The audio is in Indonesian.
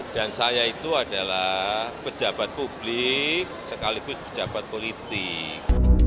dan saya itu adalah pejabat publik sekaligus pejabat politik